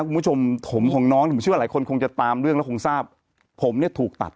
คุณผู้ชมถมของน้องผมเชื่อว่าหลายคนคงจะตามเรื่องแล้วคงทราบผมเนี่ยถูกตัด